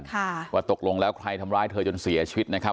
ค่ะว่าตกลงแล้วใครทำร้ายเธอจนเสียชีวิตนะครับ